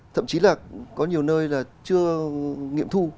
thậm chí là có nhiều nơi là chưa nghiệm thu